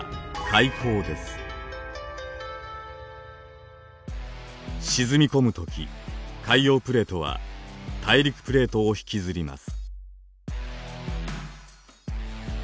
海洋プレートは大陸プレートを引きずります。